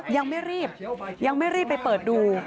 ยังไม่รีบยังไม่รีบไปเปิดดู